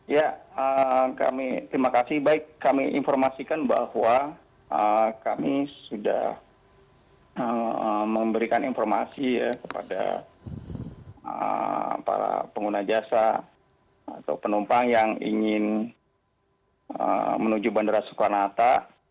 ya kami terima kasih baik kami informasikan bahwa kami sudah memberikan informasi ya kepada para pengguna jasa atau penumpang yang ingin menuju bandara soekarno hatta